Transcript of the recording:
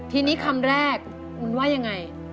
ทีนี้คำแรกมุนว่ายังไง